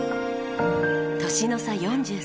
年の差４３。